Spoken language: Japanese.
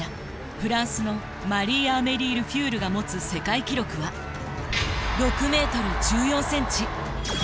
フランスのマリーアメリー・ルフュールが持つ世界記録は６ｍ１４ｃｍ。